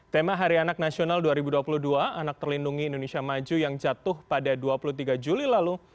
tema hari anak nasional dua ribu dua puluh dua anak terlindungi indonesia maju yang jatuh pada dua puluh tiga juli lalu